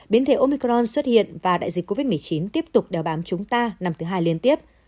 biến thể omicron xuất hiện và đại dịch covid một mươi chín tiếp tục đeo bám chúng ta năm thứ hai liên tiếp